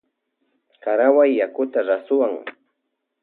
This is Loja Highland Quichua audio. Karawuay yakuta rasuwa.